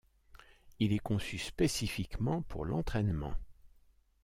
Il est conçu spécifiquement pour l'entraînement.